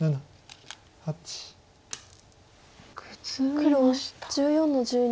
黒１４の十二。